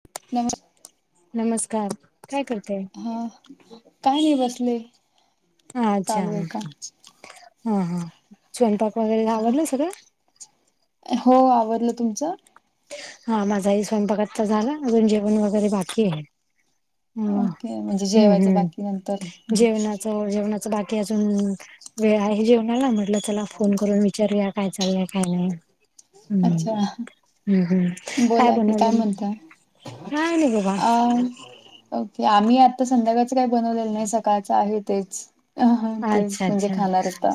[inaudible] नमस्कार काय करते हा काय नही बसले. अच्छा चालू आहे का हा हा स्वयंपाक वगैरे हा आावलं सगळं? हो आवरलं. तुमचं? हा माझाही स्वयंपाक आता झाला, अजून जेवण वगैरे बाकी आहे. ह ओके म्हणजे हम्म जेवायचं बाकी नंतर हम्म जेवणाचं जेवणाचं बाकीये अजून, वेळ आहे जेवणाला म्हटलं, चला फोन करून चर्या काय चाललंय, काय नाही, हम्म अच्छा हम् हम् काय बोला की काय बनवलं मग? म्हणताय काय नही गं बा. ओके, आम्ही आता संध्याकाळच काही बनवलेलं नाही, सकाळचं आहे तेच हं हं तेच अच्छा म्हणजे अच्छा खाणारे आता.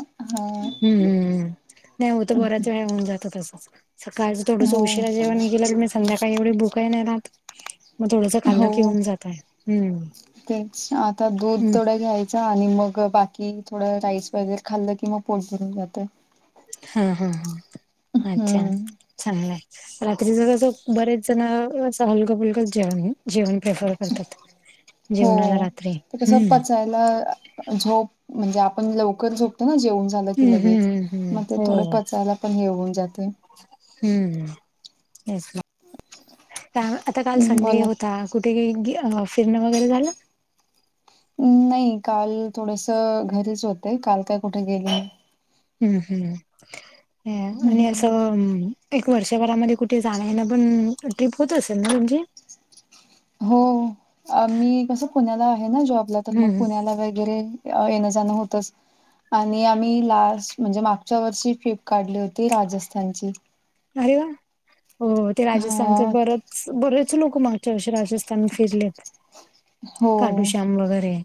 हम्म हम्म् नाही होतं, बऱ्याच वेळा होऊन जातं तसंच. सकाळचं थोडसं हो उशीरा जेवण गेले का, मं संध्याकाळी एवढी भुकही नाही राहत. मग थोडंसं हो खाल्लं की होऊन जात आहे हम्म तेच, आता दूध हम्म. थोडं घ्याय चं आणि मग बाकी थोडं राइस वगैरे खाल्लं कि मग पोट भरून जातंय. हं हं हं अच्छा हम्म चांगलाय. रात्रीचं कसं बरेच जण असं हलकं फुलकंच जेवण जेवण प्रेफर करतात. [inaudible] हो रात्री. ते कसं हम्म. पचाय ला झोप म्हणजे आपण लवकर झोपतो ना जेऊन. झाले की हम्म, लगेच, हम्म, हम्म. मं ते थोडे हो. पचायला पण हे होऊन जातंय. हम्म हम्म हेच ना, आता काल संडे बोला होता. कुठे [unintelligible] फिरणं वगैरे झालं? नाही काल थोडसं घरीच होते, काल काय कुठे गेली नाही. हम्म हम्म [unintelligible] एक वर्षभरामध्ये कुठे जाणं येणं पण ट्रीप होत असेल ना तुमची? हो आम्ही कसं पुण्याला आहे ना जॉबला तर मग हम्म. पुण्याला वैगरे येणं जाणं होतच. आणि आम्ही लास्ट म्हणजे मागच्या वर्षी फिप काढली होती राजस्थानची. अरे वा, हो ते हा राजस्थानचे बरेच बरेच लोक मागच्या वर्षी राजस्थान पण फिरलेत काटू हो श्याम वगैरे.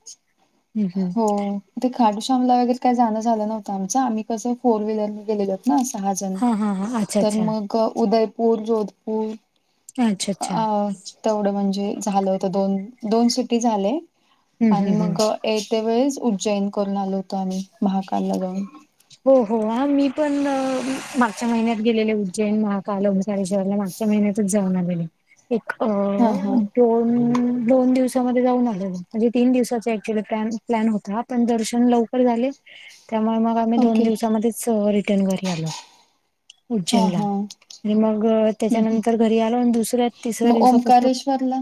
हम्म, हम्म. हो ते खाटू शामला वगैरे काय जाणं झालं नव्हतं आमचं. आम्ही कसं फोर व्हीलरने गेलेलं. ना सहा जण, हां हां हां अच्छा तर अच्छा. मग क उदयपूर, जोधपूर अच्छा अ अच्छा. अ तेवढं म्हणजे झालं होत दोन दोन सिटी झाले हं, हं, आणि हं. मग येत्या वेळेस उज्जैन करून आलो होतो आम्ही महाकालला जाऊन. हो हो ह मी पण मागच्या महिन्यात गेलेले उज्जैन महाकाल ॐकारेश्वरला ना च्या महिन्यातच जाऊन आलेले. एक अ हा हा दोन दोन दिवसामध्ये जाऊन आले मी. म्हणजे तीन दिवसाचा ऍक्च्युली पॅन प्लॅन होता पण दर्शन लवकर झाले त्यामुळे मग आम म दोन ओके दिवसामध्येच अ रिटर्न घरी आलो. हा उज्जैनला. हा आणि मग हम्म त्याच्यानंतर हम्म घरी आलो आणि दुसऱ्या तिसऱ्या मग दिवसापासन ओंकारेश्वरला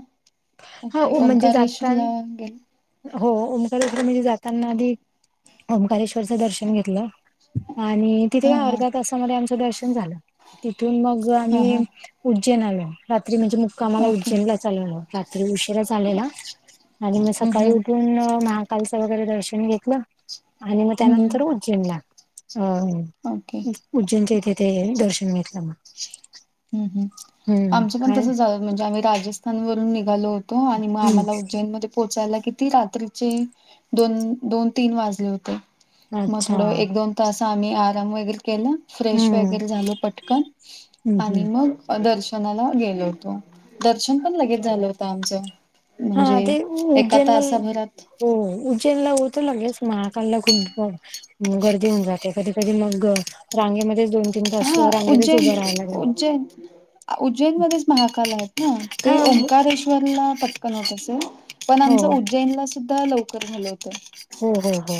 हा ओ ओके म्हणजे ओंकारेश्वरला जातान गेल हो ओमकार म्हणजे जाताना आधी ओंकारेश्वरचं दर्शन घेतलं आणि तिथे हा काय हा अर्ध्या तासामध्ये आम दर्शन झाल तिथून मग हा आम्ही हा उज्जैन आलो रात्री म्हणजे मुक कामाला ओके उज्जैनलाच आलेलो रात्री उशीरा चालेला आणि मग हम्म सकाळी हम्म उठून महा कालचं वगैरे दर्शन घेतलं आणि मग हम्म त्यानंतर उज्जेला अ अम्म ओके उज्जैनच्या इथे ते हे न दर्शन घेतलं म हम्म हम्म आमचे पण तस झाल म्हणजे आम्ही राजस्थान वरून निघालोत तो आणि म हम्म आम्हाला उज्जैन मध्ये पोचायला कि ती रात्रीचे दोन दोन तीन वाजले होते म अच्छा थोड एक दोन तास आम्ही आराम वगैरे केल, फ्रेश हम्म वगैरे झालो पटकन हम्म आणि हम्म मग अ दर्शनाला गेलो होतो दर्शन पण लगेच झालं होत आमचं. हा म्हणजे ते एका उज्जैनला तासा भरात हो उज्जेनला होतो लगेच महाकालला खूप म गर्दी होऊन जाते कधी कधी मग रांगेमध्ये दोन तीन तास हा रांगेतच उज्जैन उभं राहायला लागलं उज्जैन उज्जैन मध्येच महाकाल आहेत ना हा ते ओंकारेश्वरला पट कन होत असेल पण हो आमचं उज्जैनला सुद्धा लवकर झालं होतं. हो हो हो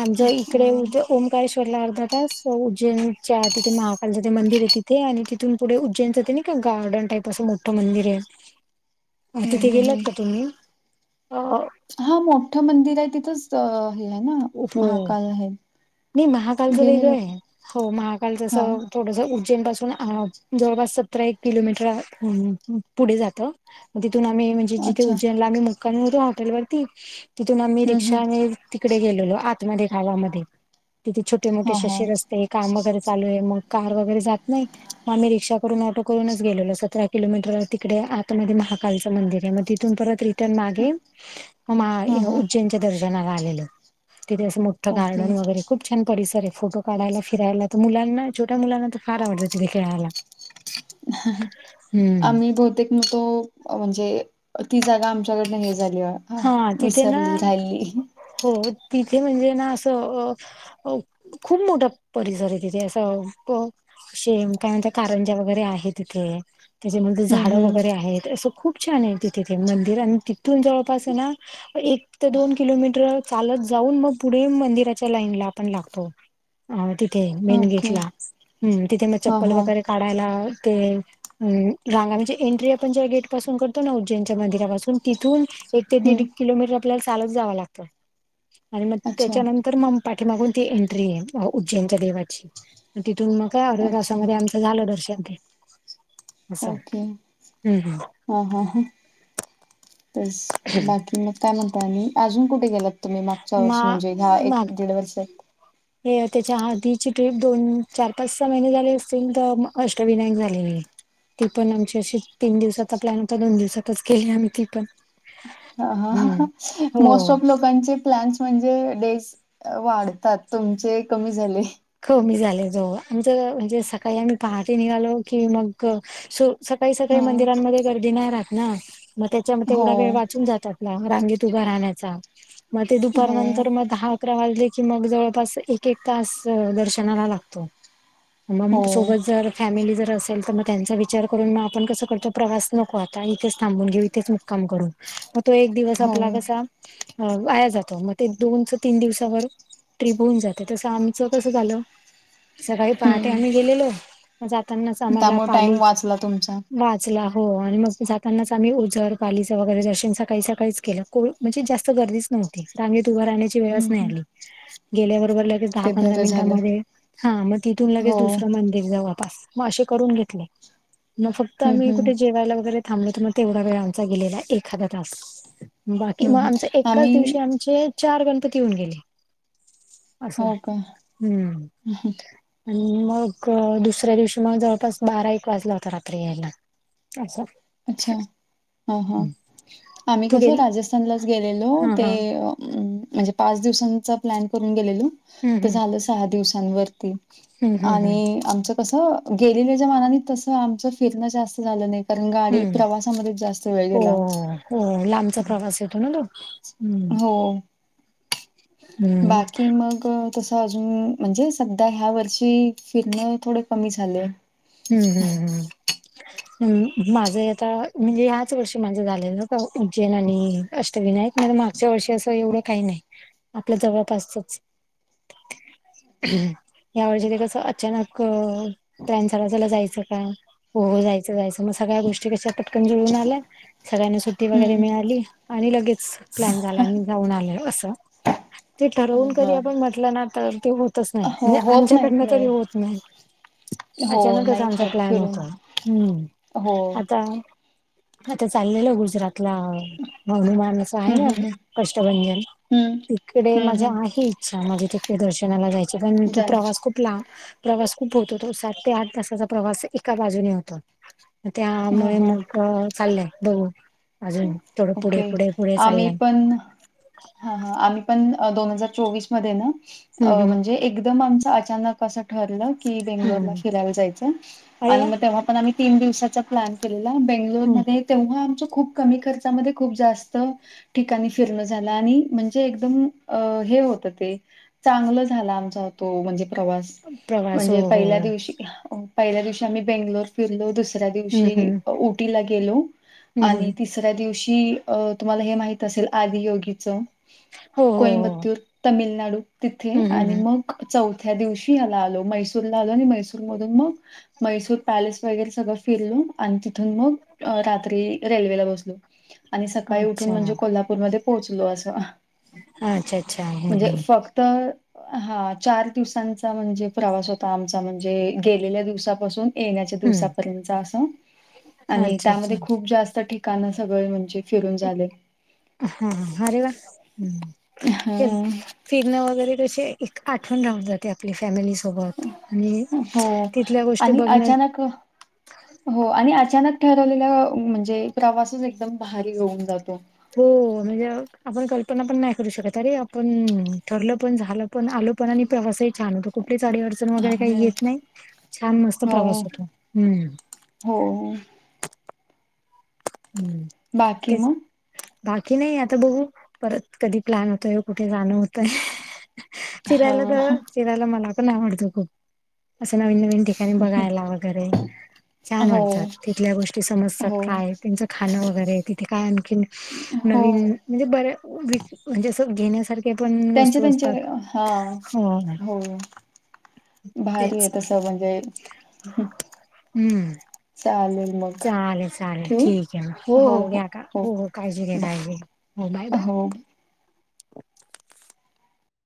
आमच इकडे उद्य हम्म ओम काळेश्वरला अर्धा तास उज्जैनच्या तिथे महाकालच ते मंदिर ये तिथे आणि तिथ तिथून पुढे उज्जैनच ते नायका गार्डन टाईप असं मोठं मंदिर ये अ तिथे हम्म हम्म गेलात का तुम्ही? अ हा मोठं मंदिर ये तिथंच हे हाय ना हो महाकाल आहेत. नाही महाकालच वेगळं ये, हो महाकालच अस हा थोडसं उज्जैन पाासून अ जवळपास सतरा एक किलोमीटर पुढे जातं म तिथून आम्ही म्हणजे जिथे अच्छा उज्जैनला आम्ही मुक्कामी होतो हॉटेलवरती तिथून आम्ही हम्म हम्म रिक्षाने कडे गेलेलो आतमध्ये गावामध्ये तिथे छोटे मोठे हा शे हा असे रस्ते कामं करं चालू ये मग कार वगैरे जात नाही. म आम्ही रिक्षा करून ऑटो करूनच गेलो सतरा किलोमीटर तिकडे आतमध्ये महाकालचं मंदिर ये, म तिथून परत रि टन मागे म मा हा हा उज्जैनच्या दर्शनाला आलेलो तिथे असं मो मोठ्ठ ओके गार्डन वगैरे खूप- छान परिसर ये. फोटो काढायला फिरायला त मुलांना छोट्या मुलांना तर फार आवडल तिथे खेळायला हम्म आम्ही दुध - तेक नको म्हणजे ती जागा आमच्याकडनं हे झालीया हा तिथे ना हो तिथे म्हणजे ना असं अ हो, खूप मोठा परिसर आहे. तिथे असं अ शेम काय म्हणत कारंजा वगैरे आहे तिथे त्याच्यामध्ये हम्म झाडं वगैरे हम्म आहेत. असं खूप छान आहे, तिथे ते मंदिर आणि तिथून जवळ तस ना, एक ते दोन किलोमीटर चालत जाऊन, मग पुढे मंदिराच्या लाईन ला आपण लागतो. अ तिथे मेन ओके गेटला, हम्म, तिथे मग हा चप्पल हा वगैरे काढायला ते अ रांगा जे एंट्री आपण ज्या गेट पासून करतो ना उज्जैनच्या मंदिरापासून तिथून एक ते दीड हं, किलोमीटर आपल्याला चालत जावं लागतं. आणि मग अच्छा, तेच्यानंतरम पाठी मागून ती एंट्री ये उज्जैनच्या देवाची, तिथून मग का अच्छा. अर्धतासामध्ये आमचं झाल दर्शन ते. असं. ओके, हम्म हम्म. हा हा ह. तस, बाकी मग काय म्हणताय आणि अजून कुठे गेलात? तुम्ही मागच्या मा वर्ष म्हणजे, ह्या एक माग दीड वर्ष हे तेच्या आधीची ट्रिप दोन, चार, पाच महिने झाले असतील. तर अष्टविनायक झालेली. ती पण आमची अशी तीन दिवसाचा प्लॅन होता, दोन दिवसातच केली आम्ही ती पण हा-हा-हा हम्म मोस्ट हो. ऑफ लोक लोकांचे प्लॅन्स म्हणजे डेज वाढतात. तुमचे कमी झाले. कमी झाले जो, आमचं म्हणजे सकाळी आम्ही पहाटे निघालो की मग सु सकाळी-सकाळी हां. मंदिरांमध्ये गर्दी नाही राहत ना, म त्याच्यामध्ये हो, तेवढा वेळ वाचून जातात. रांगेत उभा राहण्याचा, म ते दुपार हो, नंतर म दहा अकरा वाजले की मग जवळपास एक-एक तास दर्शनाला लागतो. म हो, सोबत जर फॅमिली जर असेल तर मग त्यांचा विचार करून मग आपण कसं करतो, प्रवास नको आता इथेच थांबून घेऊ, इथेच मुक्काम करून. म तो एक दिवस हो. आपला कसा अ वाया जातो. मग ते दोनच तीन दिवसावर ट्रीप होऊन जाते, तस आम्ही चं कस झालं. सकाळी पहाटे हं. आम्ही गेलेलो. जातानाच आम्हाला त्यामुळे पाली, टाईम वाचला तुमचा. वा ला हो, आणि मग जातानाच आम्ही ओझर पालीच वगैरे दर्शन सकाळी सकाळीच केलं. को म्हणजे जास्त गर्दीच नव्हती. रांगेत उभं राहण्याची वेळ हं, नाही. हं. आली गेल्याबरोबर लगेच दहा ते बरं झालं. मिनटामध्ये, हा मग तिथून लगेच हो. दुसरं मंदिर जवळपास म असे करून घेतले. मग फक्त हं, आम्ही हं. कुठे जेवायला वगैरे थांबल होतो. मग तेवढा वेळ आमचा गेलेला एखादा तास. बाकी हं, मग हं. आमचे एकाच आम्ही दिवशी आमचे चार गणपती होऊन गेले. असं हो का? हम्म. आणि मग दुसऱ्या दिवशी मग जवळपास बारा, एक वाजला होता. रात्री यायला. असं. अच्छा, हा-हा. हं. आम्ही तू कसं गेली राजस्थानलाच गेलेलो हा ते हा अ म्हणजे पाच दिवसांचा प्लॅन करून गेलेलो. हम्म तर हम्म झालं सहा दिवसांवरती. हम्म हम्म आणि हम्म आमच कसं गेलेल्याच्या मानाने तसं आमचं फिरनं जास्त झालं नाही का गाडी हम्म प्रवासामध्ये जास्त वेळ हो गेला. हो हो. लांबचा हम्म. प्रवास येतो ना तो हम्म हो. हम्म बाकी मग? तसं अजून म्हणजे सध्या ह्या वर्षी फिरणे थोडे कमी झालय. हम्म. हम्म हम्म, माझं ही आता म्हणजे ह्याच वर्षी माझं झालेलं का उज्जैन आणि अष्ट -विनायक [unintelligible] मागच्या वर्षी असं एवढं काही नाही आपलं जवळपासचच. [inaudible] यावर्षी ते कसं अचानक प्लॅन झाला चला जायचं का? हो जायचं जायचं, मग सगळ्या गोष्टी कश्या पटकन जुळून आल्या सगळ्यांना सुट्टी वगैरे हं. मिळाली आणि लगेच प्लॅन झाला आणि जाऊन आलो असं, ते अ, ठरवून कधी हां. आपण म्हट -लं ना तर तो हो -तच नाही हो, म्हणजे होत नाहीत आमच्याकडन तरी होत नाही, हो, अचानकच नाहीच आमचा होत प्लॅन फिरून. होतो. हम्म, हो. आता आता चाललेलं गुजरातला [inaudible] हं, हं, हं. [inaudible] कष्टभंजन तिकडे हम्म हम्म माझी हम्म आहे इच्छा माझी तिकडे दर्शनाला जाय -चं जाईल. प्रवास खूप ला प्रवास खूप होतो तो सात ते आठ तासाचा प्रवास एका बाजूने होतो. ह त्यामुळे ह मग चाललंय बघू? अजून थोडं पुढे ओके पुढे पुढे चाललं. पण हा हा, आम्ही पण दोन हजार चोवीसमध्ये ना हम्म अ हम्म म्हणजे एकदम आमचं अचानक असं ठरलं की बेंगलोरला हम्म फिरायला जायचं अरे वा आणि मग तेव्हा पण आम्ही तीन दिवसांचा प्लॅन केलेला, हम्म. बेंगलोरमध्ये तेव्हा आमच्या खूप कमी खर्चामध्ये खूप जास्त ठिकाणी फिरणं झालं आणि म्हणजे एकदम अ हे होत ते चांगलं झालं आमचा तो म्हणजे प्रवास प्रवास हो म्हणजे हो पहिल्या हो. दिवशी पहिल्या दिवशी आम्ही बेंगलोर फिरलो. दुसऱ्या हम्म दिवशी हम्म ऊटीला गेलो हम्म आणि तिसऱ्या दिवशी अ तुम्हाला हे माहित असेल आदियोगीचं? हो हो हो कोइंबत्तुर, तमिळनाडू तिथे हम्म हम्म आणि हम्म. मग चौथ्या दिवशी याला आलो मैसूरला आलो आणि मैसूर मधून मग मैसूर पॅलेस वगैरे सगळं फिरलो आणि तिथून मग रात्री रेल्वेला बस लो आणि सकाळी उठून अच्छा म्हणजे कोल्हापूरमध्ये पोहोचलो असं. अच्छा अच्छा हम्म म्हणजे हम्म फक्त हा चार दिवसांचा म्हणजे प्रवास होता आमचा म्हणजे गेलेल्या दिवसापासून येण्याच्या हम्म दिवसापर्यंतच असं आणि अच्छा अच्छा त्यामध्ये खूप जास्त ठिकाण सगळं म्हणजे फिरून झाले. हा, अरे वा! हेच हं, फिरणं वगैरे कसे एक आठवण राहुन जाते आपली फॅमिली सोबत आणि हो तिथल्या गोष्टी आणि बघण्यात अचानक हो आणि अचानक ठरवलेला म्हणजे प्रवासच एकदम भारी होऊन जातो. हो म्हणजे आपण कल्पना पण नाही करू शकत. अरे आपण ठरलं पण झालं पण आलोपण आणि प्रवासही छान होतो. कुठल्या [inaudible] अडचण वगैरे काही येत नाही छान मस्त हो प्रवास होतो, हम्म! हो हो! [inaudible] बाकी तेच मग? बाकी नाही आता बघू परत कधी प्लॅन होतोय कुठे जाणं होतंय. हा फिरायला तर फिरायला मला पण आवडतं खूप असं नवीन नवीन ठिकाणी बघायला वगैरे, छान हो वाटतात तिथल्या गोष्टी समजतात हो काय त्यांचं खाणं वगैरे तिथे काय आणखी हो नवीन म्हणजे बर्या व म्हणजे अस घेण्यासार त्यांच्या त्यांच्या, हा हो हो! भारी हाय तेच तस म्हणजे हम्म चालेल मग चालेल चालेल ठेवू? ठीक हाय हो हो घ्या का हो हो काळजी घ्या बाय काळजी घ्या हो बाय बाय. हो.